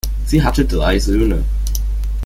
Sie hatte drei Söhne.